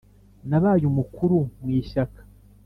nabaye umukuru mu ishyaka